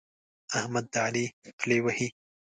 احمد د علي پلې وهي.